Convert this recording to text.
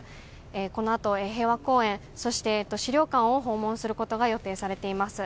このあと平和公園そして、資料館を訪問することが予定されています。